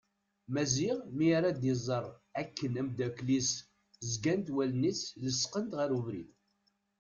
Maziɣ mi ara ad iẓer akken amddakel-is zgant wallen-is lesqent ɣer ubrid.